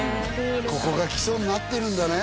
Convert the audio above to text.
ここが基礎になってるんだね